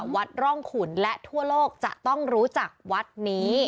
วัดร่องขุนและทั่วโลกจะต้องรู้จักวัดนี้